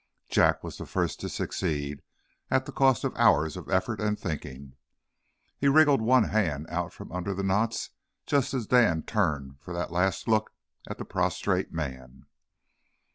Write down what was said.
Jack was the first to succeed, at a cost of hours of effort and thinking. He wriggled one hand out from under the knots just as Dan turned for that last look at the prostrate man.